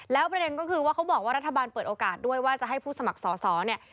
แล้วประเด็นก็คือว่าเขาบอกว่ารัฐบาลเปิดโอกาสด้วยว่าจะให้ผู้สมัครสอสอเนี่ย